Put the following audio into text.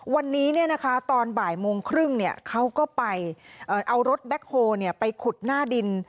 วันนี้เนี่ยนะคะตอนบ่ายโมงครึ่งเนี่ยเขาก็ไปเอารถแบคโฮล์ไปขุดหน้าดิน